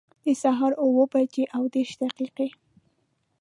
د سهار اووه بجي او دیرش دقیقي